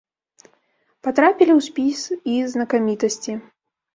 Патрапілі ў спіс і знакамітасці.